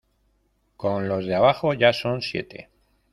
con los de abajo ya son siete.